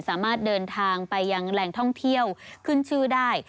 สามารถเดินทางไปยังแหล่งท่องเที่ยวขึ้นชื่อได้